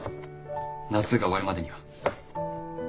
夏が終わるまでには。